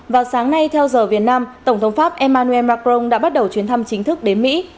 vào sáng nay theo giờ việt nam tổng thống pháp emmanuel macron đã bắt đầu chuyến thăm chính thức đến mỹ